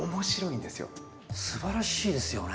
すばらしいですよね。